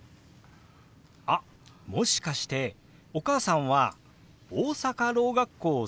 あっもしかしてお母さんは大阪ろう学校卒業ですか？